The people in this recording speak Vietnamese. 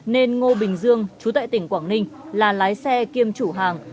nên ngô bình dương chú tại tỉnh quảng ninh là lái xe kiêm chủ hàng